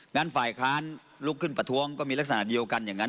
งั้นฝ่ายค้านลุกขึ้นประท้วงก็มีลักษณะเดียวกันอย่างนั้น